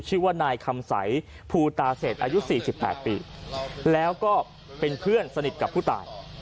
ชื่อว่านายคำสัยภูตาเศษอายุ๔๘ปีแล้วก็เป็นเพื่อนสนิทกับผู้ตาย